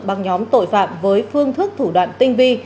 băng nhóm tội phạm với phương thức thủ đoạn tinh vi